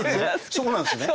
そうなんですね。